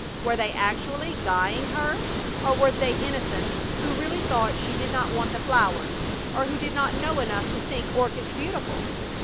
Were they actually guying her, or were they innocents who really thought she did not want the flowers, or who did not know enough to think orchids beautiful?